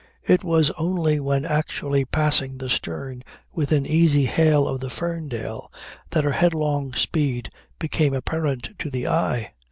It was only when actually passing the stern within easy hail of the Ferndale, that her headlong speed became apparent to the eye.